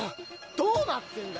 どうなってんだ！